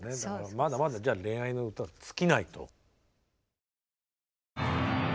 まだまだじゃあ恋愛の歌は尽きないと。